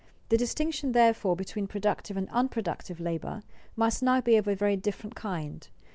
The distinction, therefore, between productive and unproductive labor must now be of a very different kind.